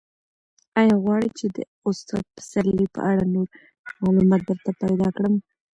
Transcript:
ایا غواړې چې د استاد پسرلي په اړه نور معلومات درته پیدا کړم؟